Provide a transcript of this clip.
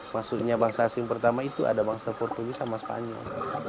maksudnya bangsa asing pertama itu ada bangsa portugis sama spanyol